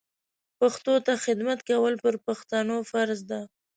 پښتو ته خدمت کول پر پښتنو فرض ده